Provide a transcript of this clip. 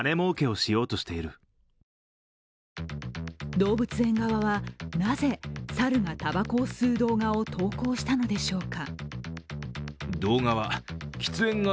動物園側は、なぜ猿がたばこを吸う動画を投稿したのでしょうか。